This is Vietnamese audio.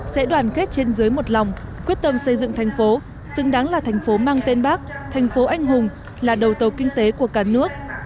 sẽ đoàn kết trên dưới một lòng quyết tâm xây dựng thành phố xứng đáng là thành phố mang tên bác thành phố anh hùng là đầu tàu kinh tế của cả nước